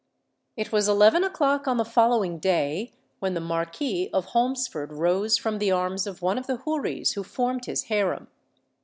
It was eleven o'clock on the following day, when the Marquis of Holmesford rose from the arms of one of the houris who formed his harem.